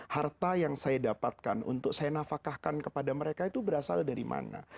harta yang saya dapatkan untuk saya nafakahkan kepada mereka itu berasal dari mana